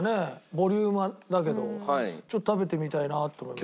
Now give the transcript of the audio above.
ボリュームだけど食べてみたいなと思いました。